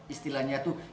istilahnya itu hipersalivasi